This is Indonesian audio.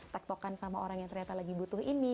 tektokan sama orang yang ternyata lagi butuh ini